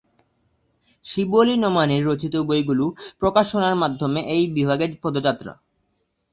শিবলী নোমানীর রচিত বইগুলো প্রকাশনার মাধ্যমে এই বিভাগের পদযাত্রা।